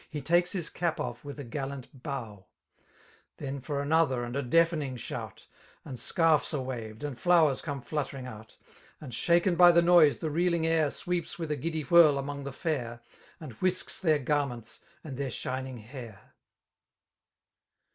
He takes his cap off with a gallant bow } Then for another and a deafening lAout j And scarfs are waTed^ and flowers eome fluttering out; And> shaken by die noise, the reeling air Sweeps with a ^dy wMrl among the fair^ And whisks their garments, and their shining hair.